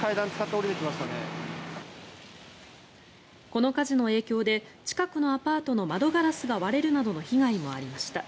この火事の影響で近くのアパートの窓ガラスが割れるなどの被害もありました。